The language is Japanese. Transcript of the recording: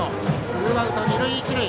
ツーアウト、二塁一塁。